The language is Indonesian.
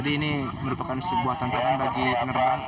jangan kemp exertion antara kerajaan jakarta dan indonesia